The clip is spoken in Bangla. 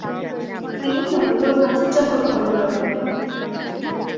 তিনি নভেম্বর মাসে জন্মগ্রহণ করেন।